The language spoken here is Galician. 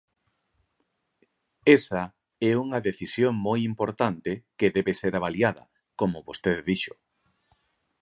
Esa é unha decisión moi importante que debe ser avaliada, como vostede dixo.